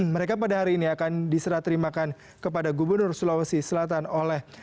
mereka pada hari ini akan diserah terimakan kepada gubernur sulawesi selatan oleh